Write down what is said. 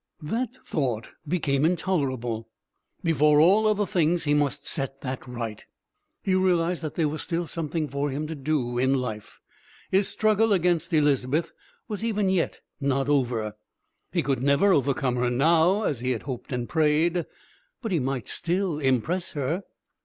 That thought became intolerable. Before all other things he must set that right. He realised that there was still something for him to do in life, his struggle against Elizabeth was even yet not over. He could never overcome her now, as he had hoped and prayed. But he might still impress her!